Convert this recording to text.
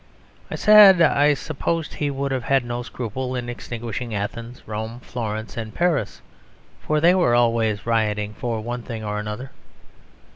I said I supposed he would have had no scruple in extinguishing Athens, Rome, Florence and Paris; for they were always rioting for one thing or another.